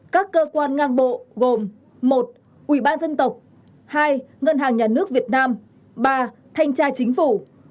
các cơ quan ngang bộ gồm một ủy ban dân tộc hai ngân hàng nhà nước việt nam ba thanh tra chính phủ